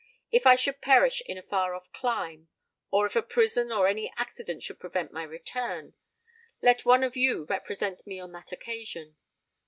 If I should perish in a far off clime,—or if a prison, or any accident prevent my return,—let one of you represent me on that occasion.